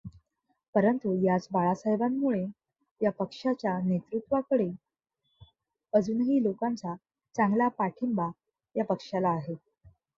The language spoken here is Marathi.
परंतु याच बाळासाहेबांमुळे या पक्षच्या नेतृत्वाकडे अजूनही लोकांचा चांगला पाठिंबा या पक्षाला आहे.